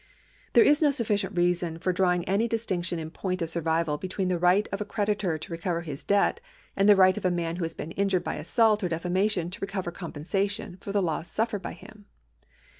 There is no sufficient reason for draw ing any distinction in point of survival between the right of a creditor to recover his de])t and tlie right of a man who has been injmed by assault or detamation to recover compensa tion for the loss so suffered by him.